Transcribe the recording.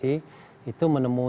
jadi kita menemukan